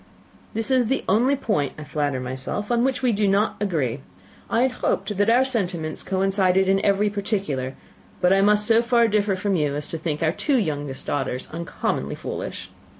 "This is the only point, I flatter myself, on which we do not agree. I had hoped that our sentiments coincided in every particular, but I must so far differ from you as to think our two youngest daughters uncommonly foolish."